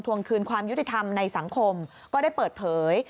วงคืนความยุติธรรมในสังคมก็ได้เปิดเผย